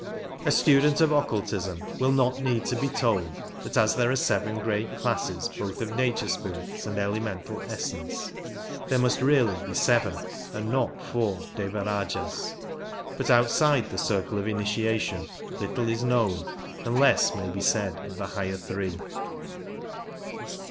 67 A student of occultism will not need to be told that as there are seven great classes both of nature spirits and elemental essence there must really be seven and not four Devarijahs, but outside the circle of initiation little is known and less may be said of the higher three.